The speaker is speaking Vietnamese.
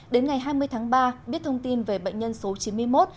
đến ngày hai mươi tháng ba biết thông tin về bệnh nhân số chín mươi một